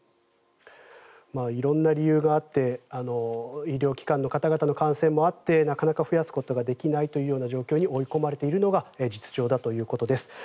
色んな理由があって医療機関の方々の感染もあってなかなか増やすことができないという状況に追い込まれているのが実情ということです。